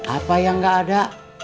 apa yang gak ada